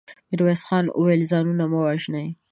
ميرويس خان وويل: ځانونه مه وژنئ.